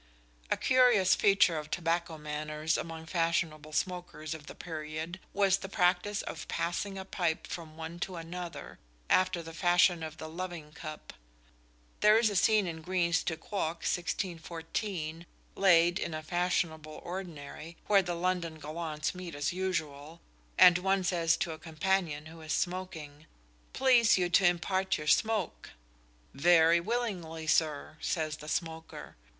A curious feature of tobacco manners among fashionable smokers of the period was the practice of passing a pipe from one to another, after the fashion of the "loving cup." There is a scene in "Greene's Tu Quoque," 1614, laid in a fashionable ordinary, where the London gallants meet as usual, and one says to a companion who is smoking: "Please you to impart your smoke?" "Very willingly, sir," says the smoker.